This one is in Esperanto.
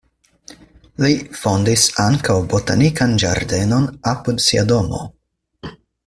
Li fondis ankaŭ botanikan ĝardenon apud sia domo.